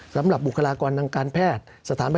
สำหรับกำลังการผลิตหน้ากากอนามัย